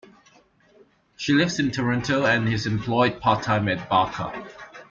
She lives in Toronto and is employed part-time at Bakka.